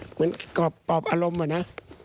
เหมือนกรอบอารมณ์อ่ะนะ